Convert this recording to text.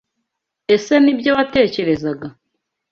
Ese Nibyo watekerezaga?